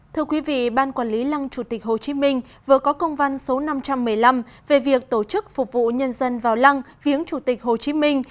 thưa quý vị ban quản lý lăng chủ tịch hồ chí minh vừa có công văn số năm trăm một mươi năm về việc tổ chức phục vụ nhân dân vào lăng viếng chủ tịch hồ chí minh